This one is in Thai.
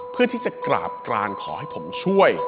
เพื่อที่จะกราบกรานขอให้ผมช่วย